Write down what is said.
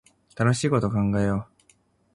楽しいこと考えよう